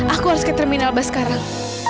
aku harus ke terminal bus sekarang